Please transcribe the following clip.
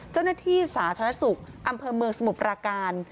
เจ้าหน้าที่สาธารณสุขอัมพมือสมปราการ